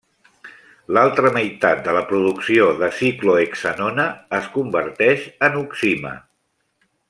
L'altra meitat de la producció de ciclohexanona es converteix en oxima.